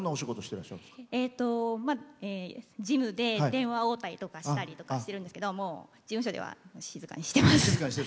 事務で電話応対とかしたりとかしてるんですけど事務所では静かにしてます。